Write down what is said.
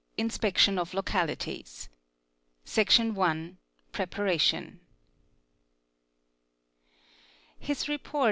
INSPECTION OF LOCALITIES. Section i.—Preparation. &,' His report?